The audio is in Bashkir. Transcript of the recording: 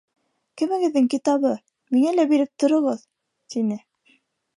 Кемегеҙҙең китабы, миңә лә биреп тороғоҙ, — тине.